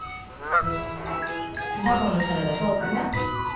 たまごのサラダどうかな？